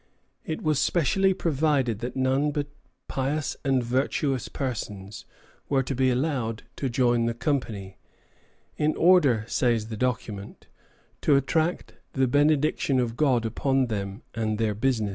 It was specially provided that none but pious and virtuous persons were to be allowed to join the Company, "in order," says the document, "to attract the benediction of God upon them and their business."